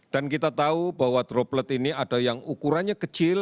dan kita tahu bahwa droplet ini ada yang ukurannya kecil